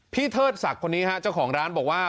เทิดศักดิ์คนนี้ฮะเจ้าของร้านบอกว่า